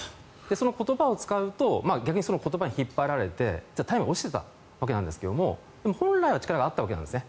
その言葉を使うと逆にその言葉に引っ張られてタイムが落ちていたわけなんですが本来は力があったわけです。